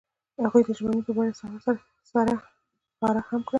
هغوی د ژمنې په بڼه سهار سره ښکاره هم کړه.